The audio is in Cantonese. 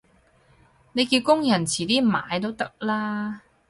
你叫工人遲啲買都得啦